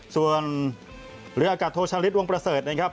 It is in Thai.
ส่วนเรืออากาศโทชาลิศวงประเสริฐนะครับ